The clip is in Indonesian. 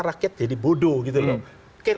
rakyat jadi bodoh gitu loh